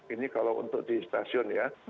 ini kalau untuk di stasiun ya